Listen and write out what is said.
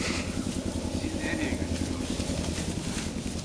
Bizi nereye götürüyorsunuz?